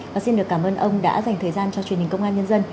và xin được cảm ơn ông đã dành thời gian cho truyền hình công an nhân dân